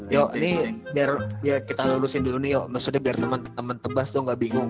yoke kita lulusin dulu nih yoke maksudnya biar temen temen tebas tuh ga bingung